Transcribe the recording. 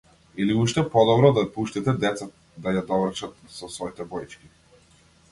Или уште подобро, да пуштите деца да ја довршат со своите боички.